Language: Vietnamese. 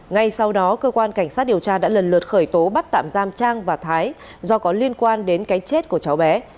ngay sau đó cơ quan cảnh sát điều tra đã lần lượt khởi tố bắt tạm giam trang và thái do có liên quan đến cái chết của cháu bé